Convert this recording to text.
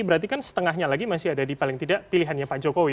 berarti kan setengahnya lagi masih ada di paling tidak pilihannya pak jokowi